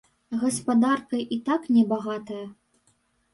Гаспадарка і так небагатая.